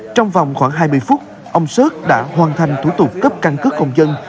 trong vòng khoảng hai mươi phút ông sớt đã hoàn thành thủ tục cấp căn cứ công dân